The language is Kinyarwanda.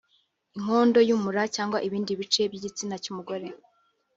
y’inkondo y’umura cg ibindi bice by’igitsina cy’umugore